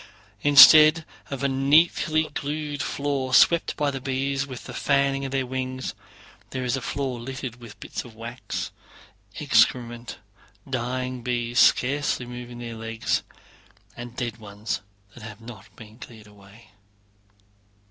Instead of a neatly glued floor, swept by the bees with the fanning of their wings, there is a floor littered with bits of wax, excrement, dying bees scarcely moving their legs, and dead ones that have not been cleared away.